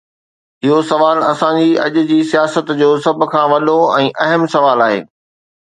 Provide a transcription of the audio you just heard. اهو سوال اسان جي اڄ جي سياست جو سڀ کان وڏو ۽ اهم سوال آهي.